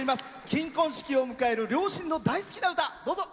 金婚式を迎える両親の大好きな歌。